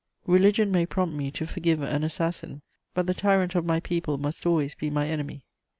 Religion may prompt me to forgive an assassin; but the tyrant of my people must always be my enemy.